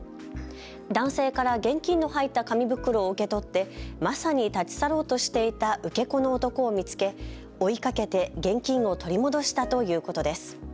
男性から現金の入った紙袋を受け取ってまさに立ち去ろうとしていた受け子の男を見つけ追いかけて現金を取り戻したということです。